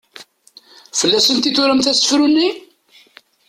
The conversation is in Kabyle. Fell-asent i turamt asefru-nni?